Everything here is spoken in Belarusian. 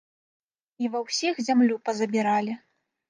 І ва ўсіх зямлю пазабіралі.